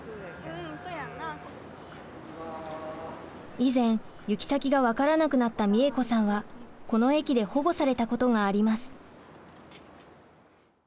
以前行き先が分からなくなったみえ子さんはこの駅で保護されたことがあります。